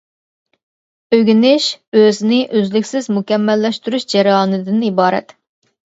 ئۆگىنىش ئۆزىنى ئۆزلۈكسىز مۇكەممەللەشتۈرۈش جەريانىدىن ئىبارەت.